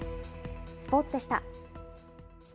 スポーツでした。